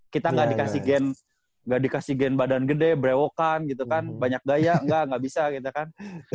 kita gak dikasih game gak dikasih game badan gede brewokan gitu kan banyak gaya enggak gak bisa gitu kan